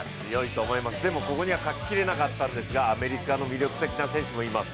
でもここには書き切れなかったんですが、アメリカの魅力的な選手もいます。